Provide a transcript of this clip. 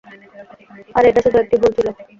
আরে, এটা শুধু একটি ভুল ছিল।